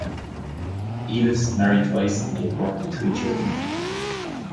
Elis married twice and gave birth to three children.